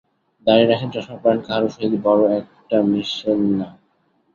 দাড়ি রাখেন, চশমা পরেন, কাহারও সহিত বড়ো একটা মিশেন না।